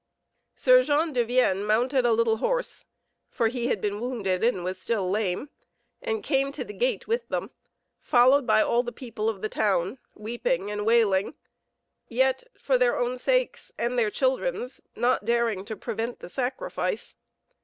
Sir Jean de Vienne mounted a little horse for he had been wounded, and was still lame and came to the gate with them, followed by all the people of the town, weeping and wailing, yet, for their own sakes and their children's, not daring to prevent the sacrifice.